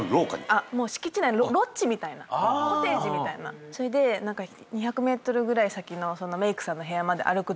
もう敷地内のロッジみたいなコテージみたいなそれで２００ｍぐらい先のメイクさんの部屋まで歩く